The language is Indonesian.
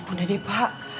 udah deh pak